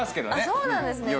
そうなんですね。